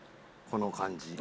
この感じ。